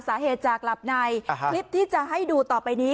สาเหตุจากหลับในคลิปที่จะให้ดูต่อไปนี้